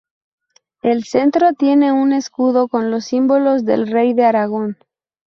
El centro tiene un escudo con los símbolos del rey de Aragon.